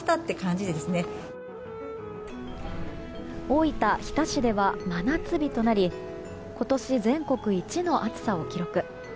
大分・日田市では真夏日となり今年、全国一の暑さを記録。